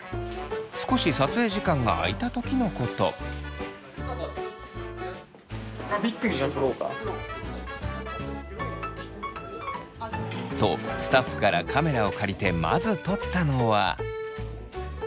少し撮影時間が空いた時のこと。とスタッフからカメラを借りてまず撮ったのは。